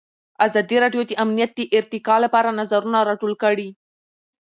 ازادي راډیو د امنیت د ارتقا لپاره نظرونه راټول کړي.